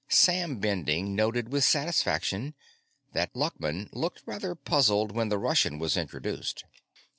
Sam Bending noted with satisfaction that Luckman looked rather puzzled when the Russian was introduced.